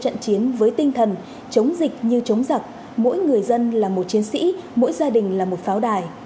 trận chiến với tinh thần chống dịch như chống giặc mỗi người dân là một chiến sĩ mỗi gia đình là một pháo đài